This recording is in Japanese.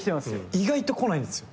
意外と来ないんですよ。